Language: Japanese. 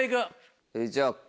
じゃあ。